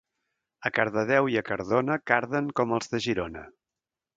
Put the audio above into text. A Cardedeu i a Cardona, carden com els de Girona.